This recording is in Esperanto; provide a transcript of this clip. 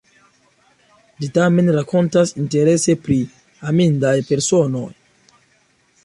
Ĝi tamen rakontas interese pri amindaj personoj.